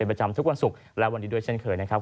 เป็นประจำทุกวันสุขและวันนี้โดยเช่นเคยนะครับ